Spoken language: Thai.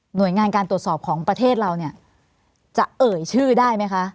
โดยงานการตรวจสอบของประเทศเราเนี่ยจะเอ่ยชื่อได้ไหมคะ